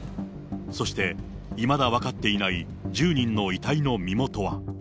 そして、いまだ分かっていない１０人の遺体の身元は。